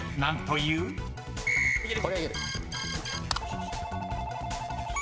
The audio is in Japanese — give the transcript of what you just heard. いける！